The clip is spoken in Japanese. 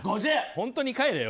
本当に帰れよ。